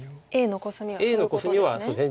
Ａのコスミはそういうことですね。